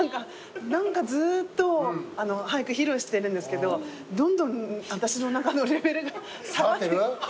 何かずーっと俳句披露してるんですけどどんどん私の中のレベルが下がってる。